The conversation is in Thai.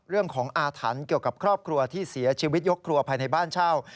เรื่องของอาถรรพ์เกี่ยวกับครอบครัวที่เสียชีวิตยกครัวภายในบ้านเช่า